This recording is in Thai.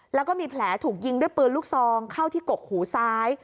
แล้วก็มีแผลถูกยิงด้วยปืนลูกซองเข้าที่กกหูซ้าย